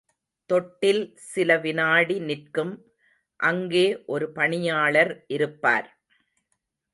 தொட்டில் சில வினாடி நிற்கும் அங்கே ஒரு பணியாளர் இருப்பார்.